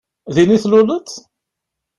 Din i tluleḍ?